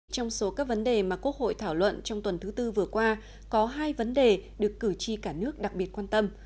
trong số các vấn đề mà quốc hội thảo luận trong tuần thứ tư vừa qua có hai vấn đề được cử tri cả nước đặc biệt quan tâm